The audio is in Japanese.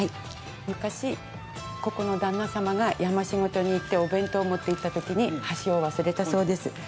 昔、ここの旦那様がや増しごとに行ってお弁当を持っていったときに、箸を忘れたそうです。